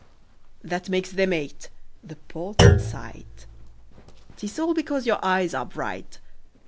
That makes them eight. The port's in sight 'Tis all because your eyes are bright!